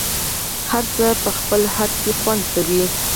هر څه په خپل خد کي خوند کوي